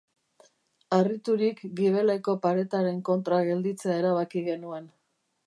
Harriturik, gibeleko paretaren kontra gelditzea erabaki genuen.